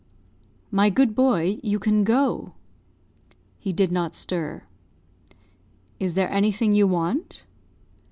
"My good boy, you can go." He did not stir. "Is there anything you want?"